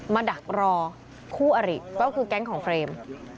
ดักรอคู่อริก็คือแก๊งของเฟรม